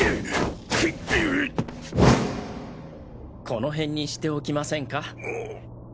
このへんにしておきませんか？